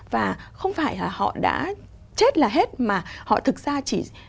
và không phải họ đã chết là hết mà họ thực ra chỉ